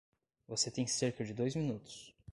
Você tem cerca de dois minutos.